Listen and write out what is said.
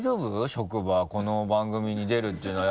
職場この番組に出るっていうのは。